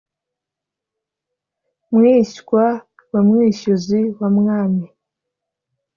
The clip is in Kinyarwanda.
mwishywa wa mwishyuzi wa mwami